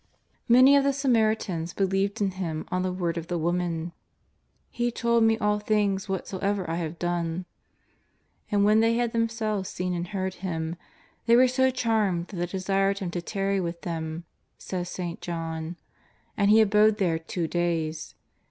Many of the Samaritans believed in Him on the word of the woman —" He told me all things whatsoever I have done." And when they had themselves seen and heard Him, they were so charmed that they desired Him to tarry with them, says St. John. And He abode there two days.